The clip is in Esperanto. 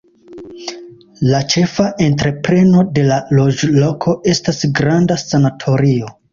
La ĉefa entrepreno de la loĝloko estas granda sanatorio.